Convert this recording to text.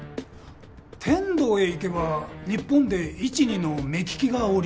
天童へ行けば日本で一二の目利きがおりますが。